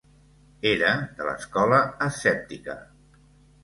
Era de l'escola escèptica.